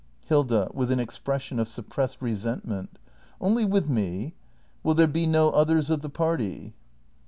Hilda. [With an expression of suppressed resentment.] Only with me ? Will there be no others of the party